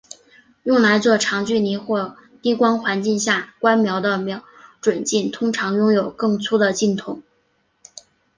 用来做长距离或低光环境下观瞄的瞄准镜通常拥有更粗的镜筒。